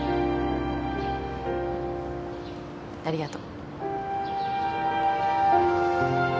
ありがと。